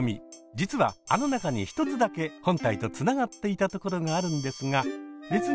実はあの中に一つだけ本体とつながっていたところがあるんですが別に。